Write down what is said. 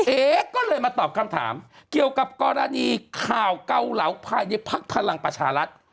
เอ๊ก็เลยมาตอบคำถามเกี่ยวกับกรณีข่าวเกาเหลาภายในพักพลังประชารัฐ